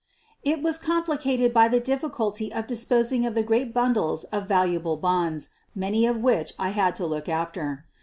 It was complicated by the difficulty of disposing of the great bundles of valuable bonds, many of which I had to look after.